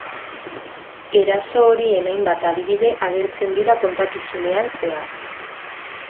Eraso horien hainbat adibide agertzen dira kontakizunean zehar.